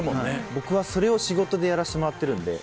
僕はそれを仕事でやらせてもらってるんで。